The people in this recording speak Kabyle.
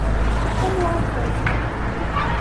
Anwa i yernan?